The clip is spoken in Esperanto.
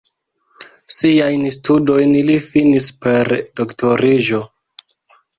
Siajn studojn li finis per doktoriĝo.